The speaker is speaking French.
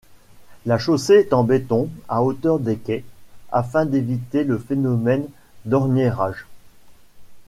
La chaussée est en béton à hauteur des quais, afin d'éviter le phénomène d'orniérage.